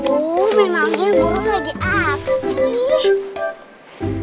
oh memangnya guru lagi apa sih